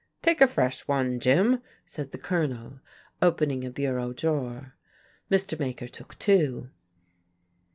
"Take a fresh one, Jim," said the Colonel, opening a bureau drawer. Mr. Maker took two.